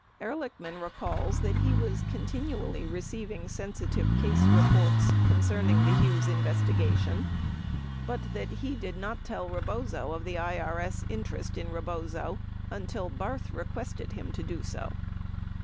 4 Ehrlichman recalls that he was continually receiving sensitive case reports concerning the Hughes investigation but that he did not tell Rebozo of the IRS interest in Rebozo until Barth requested him to do so.